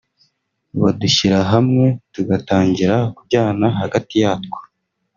badushyira hamwe tugatangira kuryana hagati yatwo